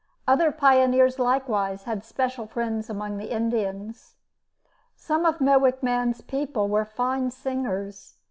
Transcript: Other pioneers likewise had special friends among the Indians. Some of Mowich Man's people were fine singers.